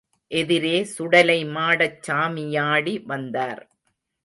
எதிரே சுடலைமாடச் சாமியாடி வந்தார்.